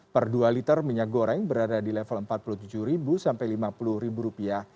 per dua liter minyak goreng berada di level empat puluh tujuh sampai lima puluh rupiah